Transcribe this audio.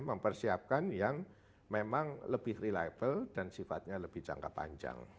mempersiapkan yang memang lebih reliable dan sifatnya lebih jangka panjang